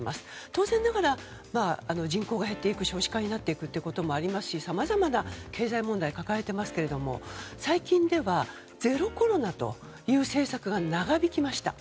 当然ながら、人口が減っていくということもありますしさまざまな経済問題抱えていますけども最近では、ゼロコロナという政策が長引きました。